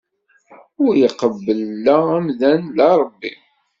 Ur t-iqebbel la amdan la Rebbi.